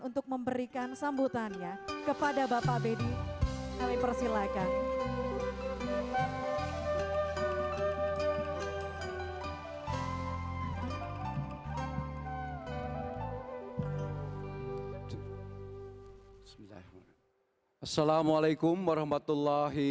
untuk memberikan sambutannya kepada bapak bedi nabi persilahkan assalamualaikum warahmatullahi